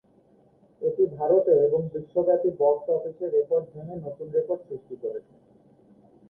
এটি ভারতে এবং বিশ্বব্যাপী বক্স অফিসে রেকর্ড ভেঙে নতুন রেকর্ড সৃষ্টি করেছে।